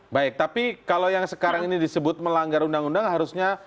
baik tapi kalau yang sekarang ini disebut melanggar undang undang harusnya